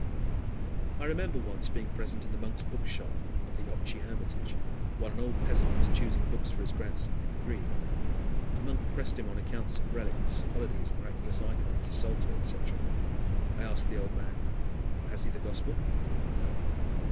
I remember once being present in the monks' bookshop of the Optchy Hermitage while an old peasant was choosing books for his grandson, who could read. A monk pressed on him accounts of relics, holidays, miraculous ikons, a psalter, etc. I asked the old man, "Has he the Gospel?" "No."